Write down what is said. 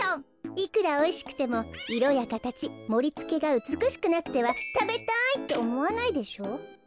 いくらおいしくてもいろやかたちもりつけがうつくしくなくては「たべたい！」っておもわないでしょ？